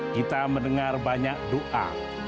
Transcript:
kita mendengar banyak doa